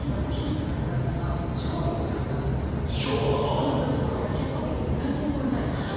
本当にもう焼け焦げて何にもないさら地。